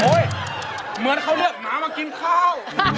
โอ๊ยเหมือนเขาเลือกหม่ามากินข้าว